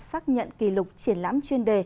xác nhận kỷ lục triển lãm chuyên đề